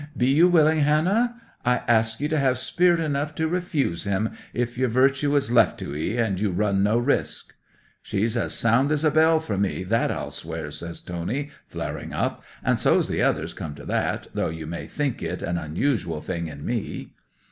"Be you willing, Hannah? I ask ye to have spirit enough to refuse him, if yer virtue is left to 'ee and you run no risk?" '"She's as sound as a bell for me, that I'll swear!" says Tony, flaring up. "And so's the others, come to that, though you may think it an onusual thing in me!"